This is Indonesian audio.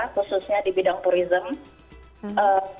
khususnya di bidang turisme